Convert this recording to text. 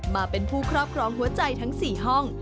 มาเป็นผู้ครอบครองหัวใจทั้ง๔ห้อง